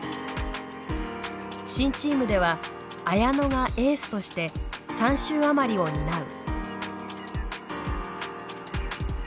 新チームでは綾乃がエースとして３周余りを担う。